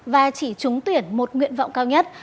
và chỉ trúng tuyển một nguyện vọng cao nhất